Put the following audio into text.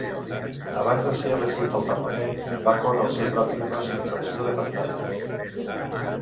Abans de ser elegit al Parlament, va córrer el seu propi negoci d'impressió de pantalla.